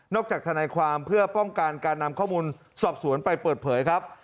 จากทนายความเพื่อป้องกันการนำข้อมูลสอบสวนไปเปิดเผยครับ